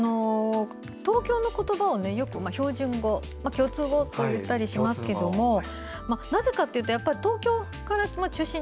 東京の言葉はよく標準語や共通語といったりしますけどなぜかというと東京から中心に